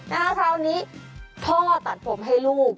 คราวนี้พ่อตัดผมให้ลูก